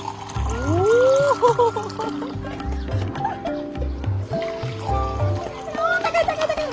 おお高い高い高い！